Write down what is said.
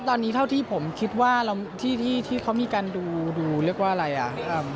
ตอนนี้เท่าที่ผมคิดว่าที่เขามีการดูเรียกว่าอะไรอ่ะ